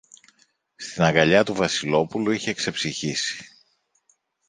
Στην αγκαλιά του Βασιλόπουλου είχε ξεψυχήσει.